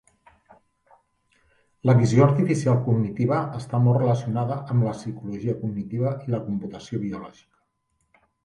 La visió artificial cognitiva està molt relacionada amb la psicologia cognitiva i la computació biològica.